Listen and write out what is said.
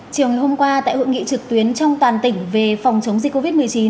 chiều ngày hôm qua tại hội nghị trực tuyến trong toàn tỉnh về phòng chống dịch covid một mươi chín